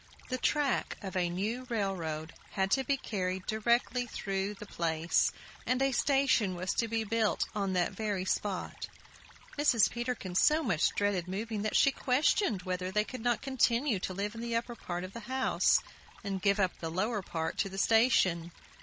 The track of a new railroad had to be carried directly through the place, and a station was to be built on that very spot. Mrs. Peterkin so much dreaded moving that she questioned whether they could not continue to live in the upper part of the house and give up the lower part to the station.